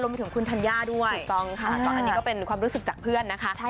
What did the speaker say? ไปถึงคุณธัญญาด้วยถูกต้องค่ะก็อันนี้ก็เป็นความรู้สึกจากเพื่อนนะคะ